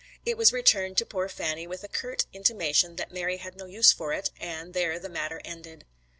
It was returned to poor Fanny, with a curt intimation that Mary had no use for it, and there the matter ended.